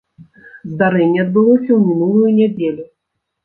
Здарэнне адбылося ў мінулую нядзелю.